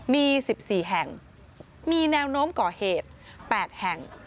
มี๑๔แห่งมีแนวโน้มก่อเหตุ๘แห่ง